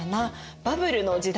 バブルの時代です。